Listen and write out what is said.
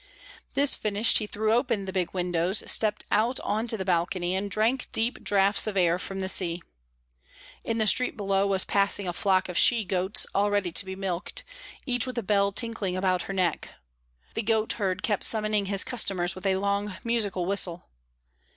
This finished, he threw open the big windows, stepped out on to the balcony, and drank deep draughts of air from the sea. In the street below was passing a flock of she goats, all ready to be milked, each with a bell tinkling about her neck. The goat herd kept summoning his customers with a long musical whistle.